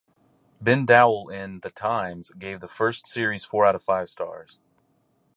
Ben Dowell in "The Times" gave the first series four out of five stars.